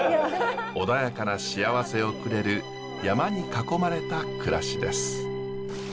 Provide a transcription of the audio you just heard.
穏やかな幸せをくれる山に囲まれた暮らしです。